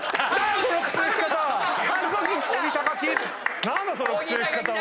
その口の利き方は。